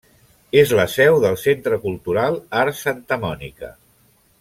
És la seu del centre cultural Arts Santa Mònica.